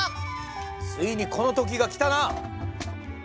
ついにこの時が来たな！